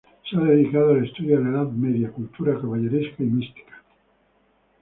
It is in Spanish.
Se ha dedicado al estudio de la Edad Media: cultura caballeresca y mística.